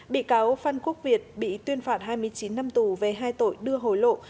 bị cáo phan quốc việt bị tuyên phạt hai mươi chín năm tù về hai tội đưa hồi lộ